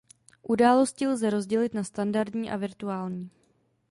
Události lze rozdělit na standardní a virtuální.